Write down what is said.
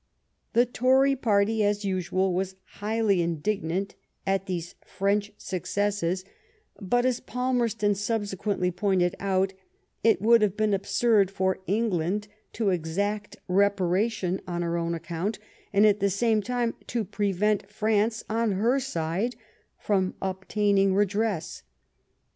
The' Tory party, as usual, was highly indignant at these French successes, but, as Palmerston subsequently pointed out, it would have been absurd for England to exact reparation on her own account, and at the same time to prevent France, on her side, from obtaining redress.